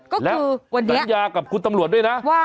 ก็คือวันเนี้ยะว่าแล้วตัญญากับคุณตำรวจด้วยนะ